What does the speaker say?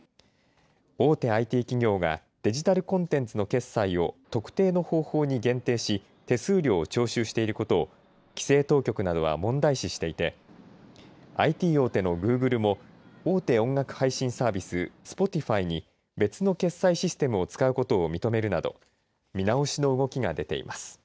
大手ＩＴ企業がデジタルコンテンツの決済を特定の方法に限定し手数料を徴収していることを規制当局などは問題視していてＩＴ大手のグーグルも大手音楽配信サービススポティファイに別の決済システムを使うことを認めるなど見直しの動きが出ています。